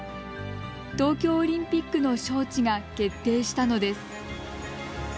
東京オリンピックの招致が決定したのです。